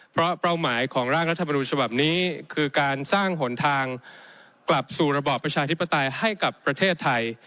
เพราะเป้าหมายของร่างรัฐมนุนฉบับนี้คือการสร้างหนทางกลับสู่ระบอบประชาธิปไตยให้กับประเทศไทย